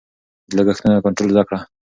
د لګښتونو کنټرول زده کړه.